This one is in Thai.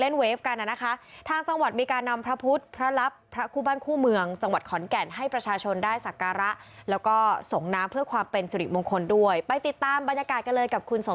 เริ่มขึ้นแล้วอย่างยิ่งใหญ่สำหรับงานมหาสงครานที่จังหวัดขอนแก่น